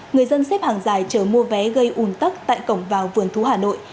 người dân xếp hàng dài chờ mua vé gây ủn tắc tại cổng vào vườn thú hà nội